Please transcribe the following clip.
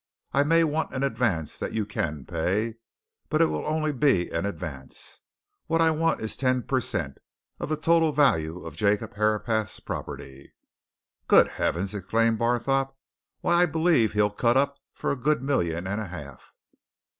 "I may want an advance that you can pay but it will only be an advance. What I want is ten per cent. on the total value of Jacob Herapath's property." "Good heavens!" exclaimed Barthorpe. "Why I believe he'll cut up for a good million and a half!"